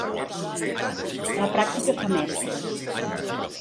La pràctica fa mestres.